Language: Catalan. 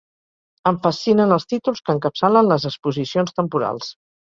Em fascinen els títols que encapçalen les exposicions temporals.